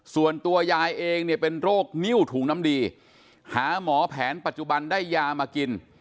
ส่วนตัวยายเองเนี่ยเป็นโรคนิ้วถุงน้ำดีหาหมอแผนปัจจุบันได้ยามากิน